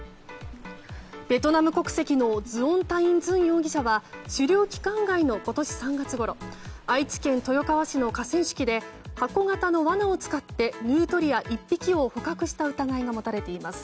ベトナム国籍のズオン・タィン・ズン容疑者は狩猟期間外の今年３月ごろ愛知県豊川市の河川敷で箱形の罠を使ってヌートリア１匹を捕獲した疑いが持たれています。